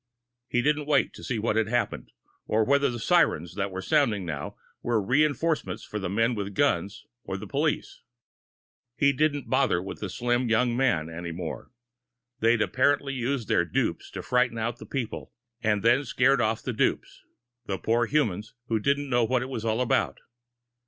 He didn't wait to see what had happened, or whether the sirens that were sounding now were reinforcements for the men with guns or the police. He didn't bother with the slim young man any more. They'd apparently used their dupes to frighten out the people, and then had scared off the dupes the poor humans who didn't know what it was all about.